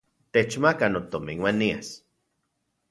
Techmaka notomin uan nias.